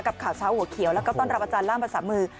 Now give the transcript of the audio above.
ข่าวเช้าหัวเขียวแล้วก็ต้อนรับอาจารย์ล่ามภาษามือ